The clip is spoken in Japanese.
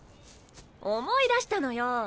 思い出したのよ。